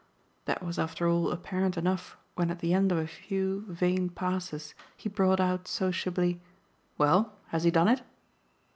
That was after all apparent enough when at the end of a few vain passes he brought out sociably: "Well, has he done it?"